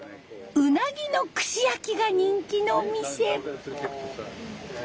うなぎの串焼きが人気のお店。